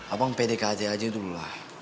abang pdkt aja dululah